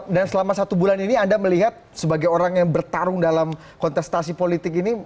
dan selama satu bulan ini anda melihat sebagai orang yang bertarung dalam kontestasi politik ini